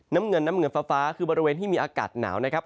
น้ำเงินน้ำเงินฟ้าคือบริเวณที่มีอากาศหนาวนะครับ